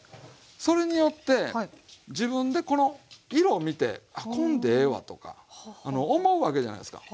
それによって自分でこの色を見てこんでええわとか思うわけじゃないですか。